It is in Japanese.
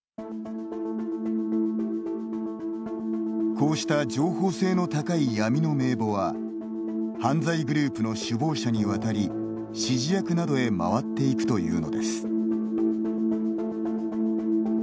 こうした情報性の高い闇の名簿は犯罪グループの首謀者に渡り指示役などへ回っていくというのです。